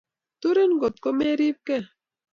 turin ngot ko meripgei